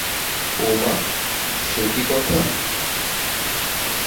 ওমা, সে কী কথা!